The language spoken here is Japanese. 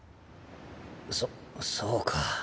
そそうか。